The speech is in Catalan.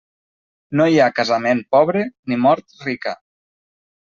No hi ha casament pobre ni mort rica.